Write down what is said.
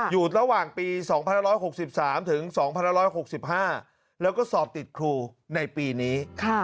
อยู่ระหว่างปี๒๑๖๓ถึง๒๑๖๕แล้วก็สอบติดครูในปีนี้